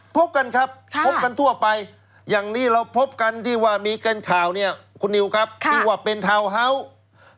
พบกันครับพบกันทั่วไปอย่างนี้เราพบกันที่ว่ามีกันข่าวเนี่ยคุณนิวครับที่ว่าเป็นทาวน์ฮาส์